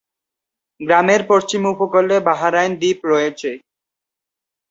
গ্রামের পশ্চিম উপকূলে বাহরাইন দ্বীপ রয়েছে।